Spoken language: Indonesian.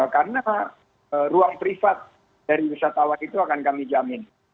karena ruang privat dari wisatawan itu akan kami jamin